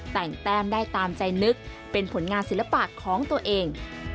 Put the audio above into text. แต่งแต้มได้ตามใจนึกเป็นผลงานศิลปะของตัวเอง